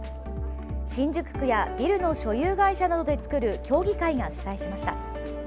新宿区や、ビルの所有会社などで作る協議会が主催しました。